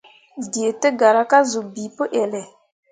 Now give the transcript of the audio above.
Dǝǝ tǝ gara ka zuu bii pǝ elle.